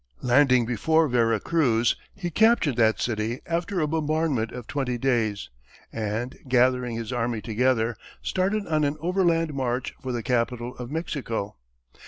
Landing before Vera Cruz, he captured that city after a bombardment of twenty days, and, gathering his army together, started on an overland march for the capital of Mexico.